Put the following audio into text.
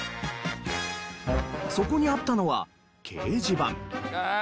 そこにあったのは掲示板。